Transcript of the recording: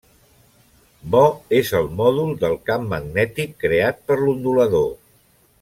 Bo és el mòdul del camp magnètic creat per l'ondulador.